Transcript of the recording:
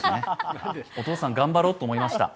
お父さん頑張ろうと思いました。